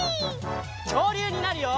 きょうりゅうになるよ！